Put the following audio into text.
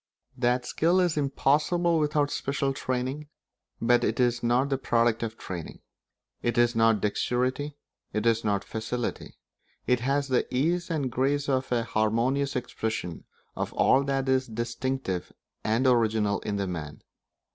That skill is impossible without special training, but it is not the product of training; it is not dexterity; it is not facility; it has the ease and grace of a harmonious expression of all that is distinctive and original in the man.